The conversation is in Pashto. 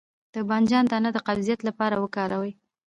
د بانجان دانه د قبضیت لپاره وکاروئ